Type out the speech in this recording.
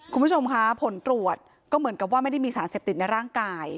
คุณผู้ชมคะผลตรวจก็เหมือนกับว่าไม่ได้มีสารเสพติดในร่างกาย